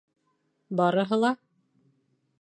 Барыһы ла?